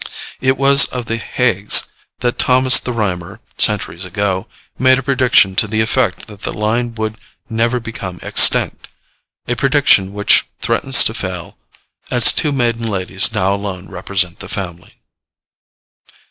It was of the Haigs that Thomas the Rhymer, centuries ago, made a prediction to the effect that the line would never become extinct a prediction which threatens to fail, as two maiden ladies now alone represent the family.